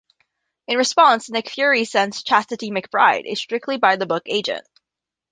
In response, Nick Fury sends Chastity McBryde, a strictly by-the-book agent.